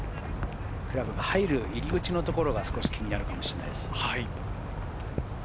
クラブが入る入り口のところが気になるかもしれません。